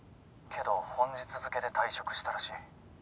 けど本日付けで退職したらしい。